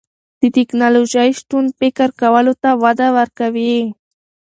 د تکنالوژۍ شتون فکر کولو ته وده ورکوي.